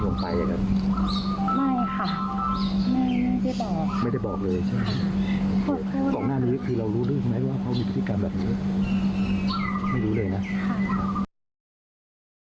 ไม่รู้เลยค่ะ